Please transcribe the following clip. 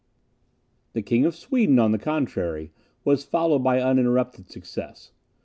The King of Sweden, on the contrary, was followed by uninterrupted success.